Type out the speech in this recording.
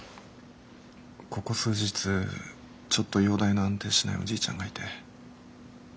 ここ数日ちょっと容体の安定しないおじいちゃんがいて。